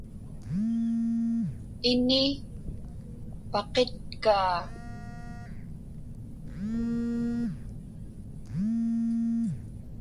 Ini paqitkaa.